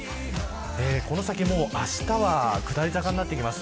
この先、あしたは下り坂になってきます。